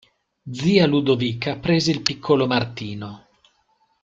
Zia Ludovica prese il piccolo Martino.